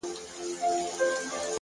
هره خندا د زړه سکون جوړوي،